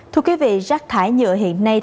thưa quý vị rác thải nhựa hiện nay